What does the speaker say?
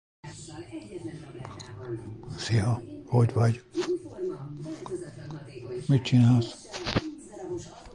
The route curves southeast before it turns south and runs past businesses.